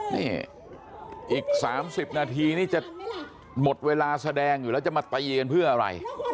นี่อีก๓๐นาทีนี่จะหมดเวลาแสดงอยู่แล้วจะมาตีกันเพื่ออะไร